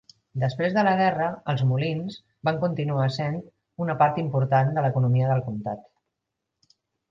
Després de la guerra, els molins van continuar sent una part important de l'economia del comtat.